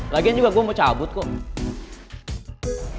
lagian juga gue mau cabut kok